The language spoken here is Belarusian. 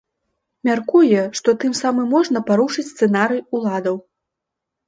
Мяркуе, што тым самым можна парушыць сцэнарый уладаў.